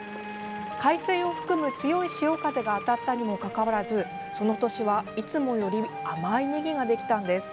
海水を含む強い潮風が当たったにもかかわらずその年は、いつもより甘いねぎができたんです。